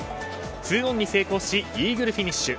２オンに成功しイーグルフィニッシュ。